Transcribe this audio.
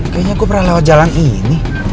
kayaknya aku pernah lewat jalan ini